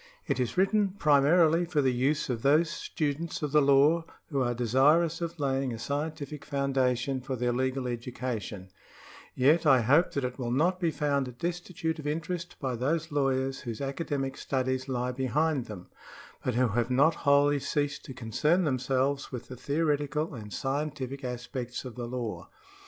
It is written primarily for the use of those students of the law who are desirous of laying a scientific foundation for their legal education ; yet I hope that it will not be found destitute of interest by those lawyers whose academic studies lie behind them, but who have not wholly ceased to concern themselves with the theoretical and scien tific aspects of the law.